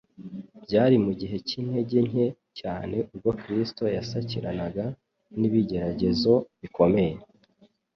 Byari mu gihe cy'intege nke cyane ubwo Kristo yasakiranaga n'ibigeragezo bikomeye